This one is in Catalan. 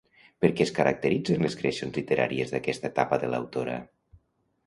Per què es caracteritzen les creacions literàries d'aquesta etapa de l'autora?